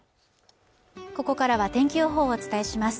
ここからは天気予報をお伝えします